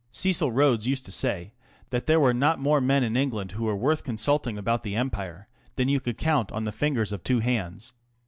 Cecil Rhodes used to say that there were not more men in England who were worth consulting about the Empire than you can count on the fingers of two hands.